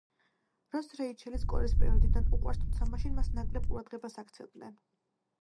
როსს რეიჩელი სკოლის პერიოდიდან უყვარს, თუმცა მაშინ მასს ნაკლებ ყურადღებას აქცევდნენ.